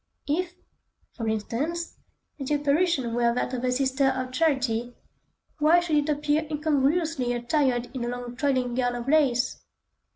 If, for instance, the apparition were that of a Sister of Charity, why should it appear incongruously attired in a long trailing gown of lace?